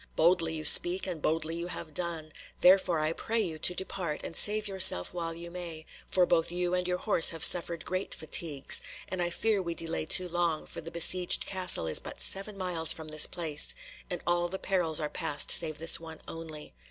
Boldly you speak, and boldly you have done; therefore I pray you to depart and save yourself while you may, for both you and your horse have suffered great fatigues, and I fear we delay too long, for the besieged castle is but seven miles from this place, and all the perils are past save this one only.